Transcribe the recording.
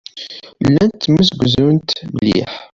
Llant ttemsegzunt mliḥ.